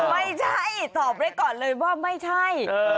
ไม่ใช่ตอบไว้ก่อนเลยว่าไม่ใช่